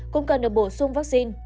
cũng cần được bổ sung vaccine